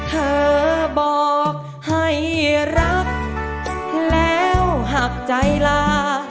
เธอบอกให้รักแล้วหักใจลา